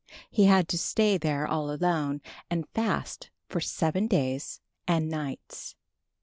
He had to stay there all alone and fast for seven days and nights.